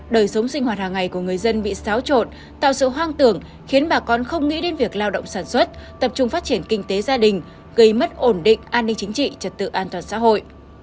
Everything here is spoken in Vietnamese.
đời sống sinh hoạt hàng ngày của người dân bị xáo trộn tạo sự hoang tưởng khiến bà con không nghĩ đến việc lao động sản xuất tập trung phát triển kinh tế gia đình gây mất ổn định an ninh chính trị trật tự an toàn xã hội